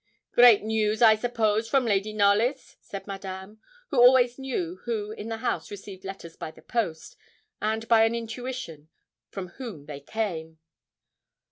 'Great news, I suppose, from Lady Knollys?' said Madame, who always knew who in the house received letters by the post, and by an intuition from whom they came.